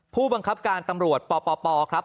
ผู้บังคับการตำรวจปปครับ